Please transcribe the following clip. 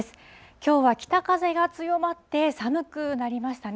きょうは北風が強まって、寒くなりましたね。